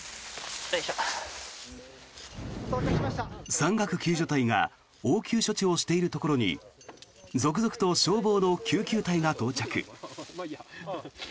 山岳救助隊が応急処置をしているところに続々と消防の救急隊が到着。